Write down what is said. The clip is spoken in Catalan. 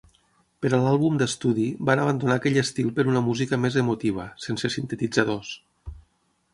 Per a l"àlbum d"estudi, van abandonar aquell estil per una música "més emotiva", sense sintetitzadors.